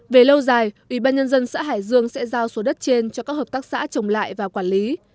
về lâu dài ubnd xã hải dương sẽ giao số đất trên cho các hợp tác xã trồng lại và quản lý